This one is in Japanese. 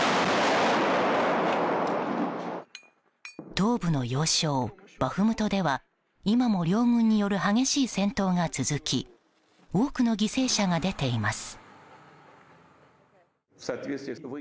東部の要衝バフムトでは今も両軍による激しい戦闘が続き多くの犠牲者が出ています。